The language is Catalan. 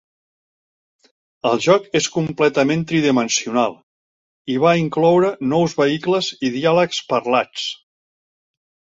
El joc és completament tridimensional, i va incloure nous vehicles i diàlegs parlats.